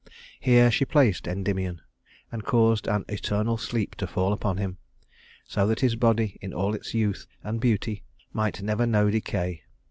Here she placed Endymion, and caused an eternal sleep to fall upon him, so that his body in all its youth and beauty might never know decay.